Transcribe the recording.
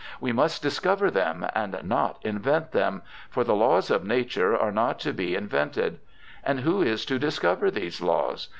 We must discover them and not invent them ; for the laws of nature are not to be in vented. And who is to discover these laws?